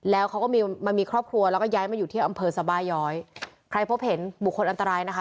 แล้วเขาก็มีมามีครอบครัวแล้วก็ย้ายมาอยู่ที่อำเภอสบาย้อยใครพบเห็นบุคคลอันตรายนะคะ